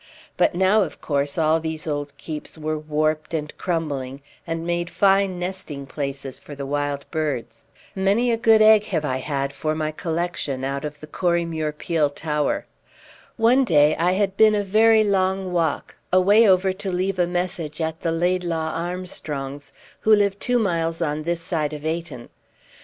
But now, of course, all these old keeps were warped and crumbling, and made fine nesting places for the wild birds. Many a good egg have I had for my collection out of the Corriemuir Peel Tower. One day I had been a very long walk, away over to leave a message at the Laidlaw Armstrongs, who live two miles on this side of Ayton.